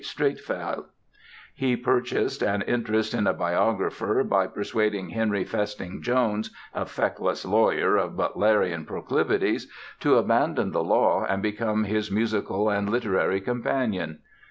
Streatfeild. He purchased an interest in a biographer by persuading Henry Festing Jones, a feckless lawyer of Butlerian proclivities, to abandon the law and become his musical and literary companion.